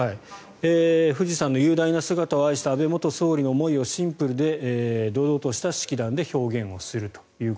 富士山の雄大な姿を愛した安倍元総理の思いをシンプルで堂々とした式壇で表現をすると。